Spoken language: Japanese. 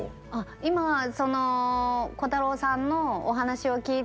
今そのこたろうさんのお話を聞いて。